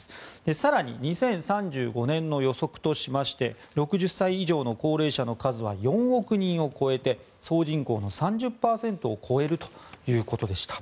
更に２０３５年の予測としまして６０歳以上の高齢者の数は４億人を超えて総人口の３０％を超えるということでした。